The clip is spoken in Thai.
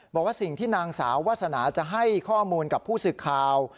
บอกว่าสิ่งที่นางสาววาสนาจะให้ข้อมูลกับผู้สื่อข่าว